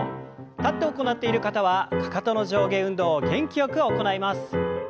立って行っている方はかかとの上下運動を元気よく行います。